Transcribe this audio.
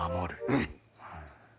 うん！